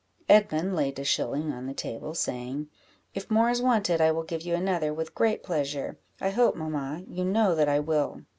Edmund laid a shilling on the table, saying "If more is wanted, I will give you another with great pleasure: I hope, mamma, you know that I will?"